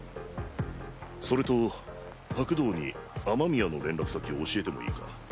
それと白道に雨宮の連絡先を教えてもいいか？